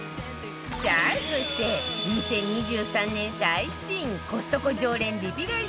さあそして２０２３年最新コストコ常連リピ買い